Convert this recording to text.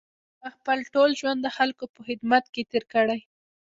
ما خپل ټول ژوند د خلکو په خدمت کې تېر کړی.